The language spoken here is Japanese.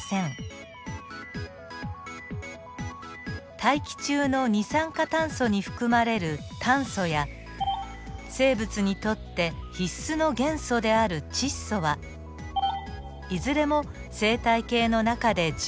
大気中の二酸化炭素に含まれる炭素や生物にとって必須の元素である窒素はいずれも生態系の中で循環する基本的な物質です。